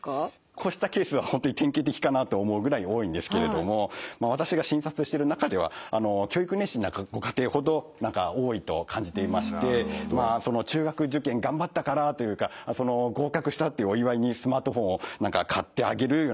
こうしたケースは本当に典型的かなと思うぐらいに多いんですけれどもまあ私が診察してる中では教育熱心なご家庭ほど多いと感じていましてまあ中学受験頑張ったからというか合格したってお祝いにスマートフォンを買ってあげるというようなことが起こるとですね